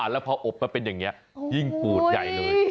แล้วพออบมาเป็นอย่างนี้ยิ่งปูดใหญ่เลย